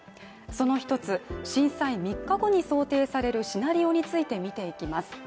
その一つ震災３日後に想定されるシナリオについて見ていきます。